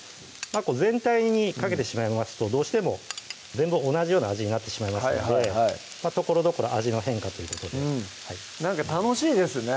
全体にかけてしまいますとどうしても全部同じような味になってしまいますのでところどころ味の変化ということでなんか楽しいですね